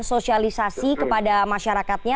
sosialisasi kepada masyarakatnya